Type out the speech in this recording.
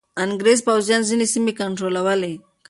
انګریز پوځیان ځینې سیمې کنټرولوي.